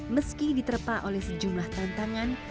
meski diterpa oleh sejumlah tantangan